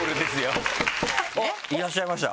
あっいらっしゃいました。